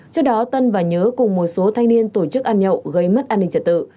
trước đó tân và nhớ cùng một số thanh niên tổ chức ăn nhậu gây mất an ninh trật tự